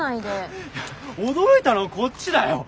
いや驚いたのはこっちだよ。